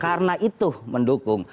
karena itu mendukung